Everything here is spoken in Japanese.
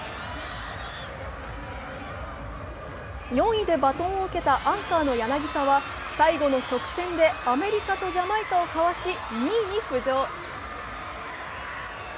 ４位バトンを受けたアンカーの柳田は最後の直線でアメリカとジャマイカをかわし２位に浮上。